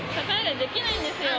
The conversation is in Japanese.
できないんですね。